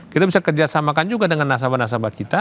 kita bisa kerjasamakan juga dengan nasabah nasabah kita